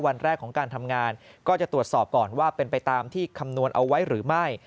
วันแรกของการทำงานก็จะตรวจสอบก่อนว่าเป็นไปตามที่คำนวณเอาไว้หรือไม่